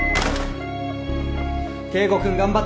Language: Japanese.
圭吾君頑張って！